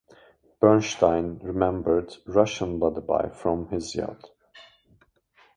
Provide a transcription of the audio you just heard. Bernstein remembered "Russian Lullaby" from his youth.